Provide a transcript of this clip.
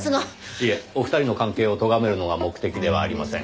いえお二人の関係をとがめるのが目的ではありません。